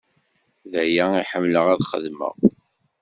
D aya i ḥemmleɣ ad xedmeɣ.